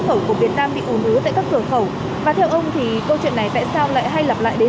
và theo ông thì câu chuyện này tại sao lại hay lặp lại đến vậy